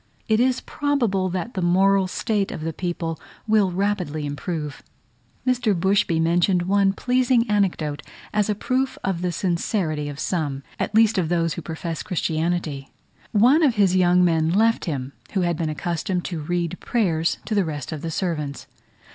It is probable that the moral state of the people will rapidly improve. Mr. Bushby mentioned one pleasing anecdote as a proof of the sincerity of some, at least, of those who profess Christianity. One of his young men left him, who had been accustomed to read prayers to the rest of the servants.